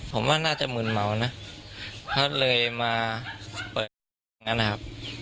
ผมว่าน่าจะมืนเหมานะเพราะเลยมาเปิดรถครับ